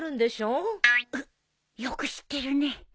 うっよく知ってるね。